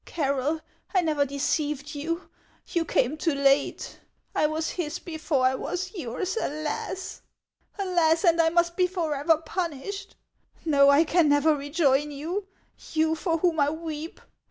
Carroll, I never deceived you; you came too late. I was his before I was yours, alas ! Alas ! and I must be forever punished. No, I can never rejoin you, — you for whom I weep.